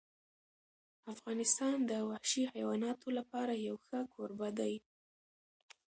افغانستان د وحشي حیواناتو لپاره یو ښه کوربه دی.